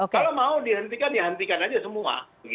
kalau mau dihentikan dihentikan aja semua